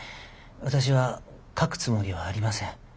私は書くつもりはありません。